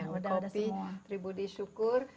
kopi tribu disyukur